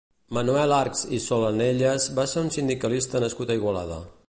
Manuel Archs i Solanelles va ser un sindicalista nascut a Igualada.